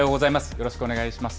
よろしくお願いします。